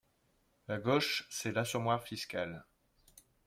La gauche, c’est l’assommoir fiscal.